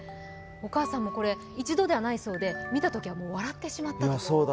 お母さんも一度ではないそうで、見たときは笑ってしまったそうです。